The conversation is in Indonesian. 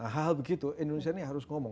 hal begitu indonesia ini harus ngomong